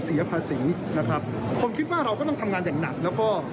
เสียภาษีนะครับผมคิดว่าเราก็ต้องทำงานอย่างหนักแล้วก็